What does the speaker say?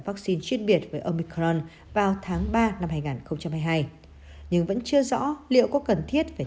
vaccine chuyên biệt với omicron vào tháng ba năm hai nghìn hai mươi hai nhưng vẫn chưa rõ liệu có cần thiết phải